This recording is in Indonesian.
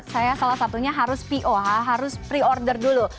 saya salah satunya harus poh harus pre order dulu